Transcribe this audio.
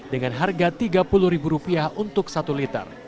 dengan harga tiga puluh rupiah untuk satu liter